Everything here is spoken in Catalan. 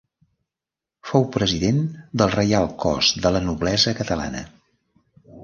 Fou president del Reial Cos de la Noblesa Catalana.